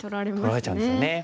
取られちゃうんですよね。